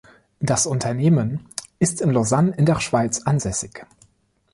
Das Unternehmen ist in Lausanne in der Schweiz ansässig.